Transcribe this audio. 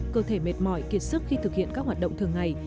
cơ thể mệt mỏi kiệt sức khi thực hiện các hoạt động thường ngày